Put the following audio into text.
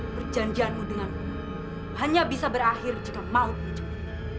perjanjianmu denganmu hanya bisa berakhir jika maupun jono